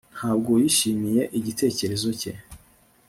ntabwo yishimiye igitekerezo cye